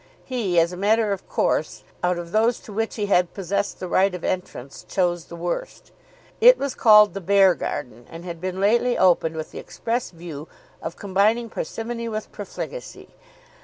He, as a matter of course, out of those to which he had possessed the right of entrance, chose the worst. It was called the Beargarden, and had been lately opened with the express view of combining parsimony with profligacy.